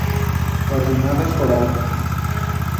Ordenadas por álbum.